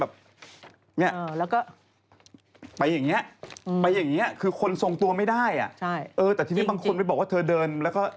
แบบนี้ไปอย่างนี้คือคนทรงตัวไม่ได้อ่ะแต่ทีนี้บางคนไม่บอกว่าเธอเดิน